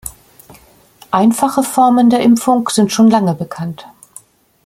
Einfache Formen der Impfung sind schon lange bekannt.